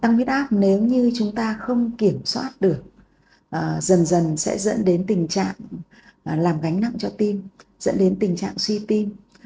tăng huyết áp nếu như chúng ta không kiểm soát được dần dần sẽ dẫn đến tình trạng làm gánh nặng cho tim dẫn đến tình trạng suy tim